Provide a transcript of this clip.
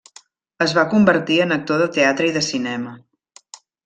Es va convertir en actor de teatre i de cinema.